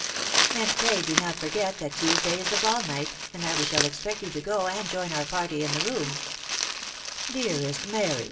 And pray do not forget that Tuesday is the ball night, and that we shall expect you to go, and join our party in the rami" "Dearest Mary